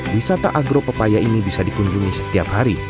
wisata agropepaya ini bisa dikunjungi setiap hari